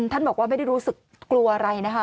ท่านบอกว่าไม่ได้รู้สึกกลัวอะไรนะคะ